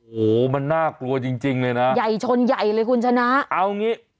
โอ้โหมันน่ากลัวจริงจริงเลยนะใหญ่ชนใหญ่เลยคุณชนะเอางี้